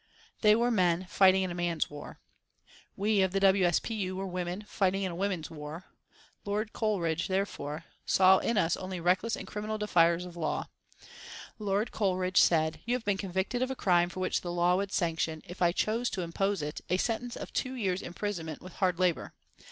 They were men, fighting in a man's war. We of the W. S. P. U. were women, fighting in a woman's war. Lord Coleridge, therefore, saw in us only reckless and criminal defiers of law. Lord Coleridge said: "You have been convicted of a crime for which the law would sanction, if I chose to impose it, a sentence of two years' imprisonment with hard labour.